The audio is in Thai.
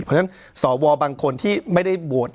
เพราะฉะนั้นสวบางคนที่ไม่ได้โหวต